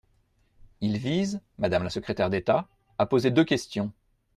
Il vise, madame la secrétaire d’État, à poser deux questions.